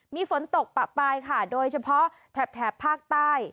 มีฝนตกปะปลายค่ะโดยเฉพาะแถบภาคใต้